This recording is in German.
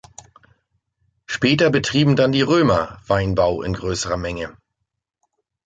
Später betrieben dann die Römer Weinbau in größerer Menge.